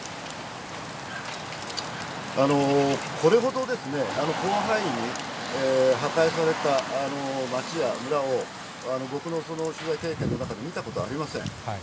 これほど、広範囲に破壊された町や村を、僕の取材経験の中で見たことありません。